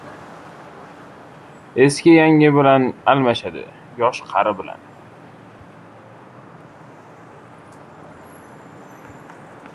• Eski yangi bilan almashadi, yosh ― qari bilan.